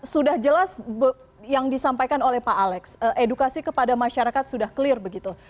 sudah jelas yang disampaikan oleh pak alex edukasi kepada masyarakat sudah clear begitu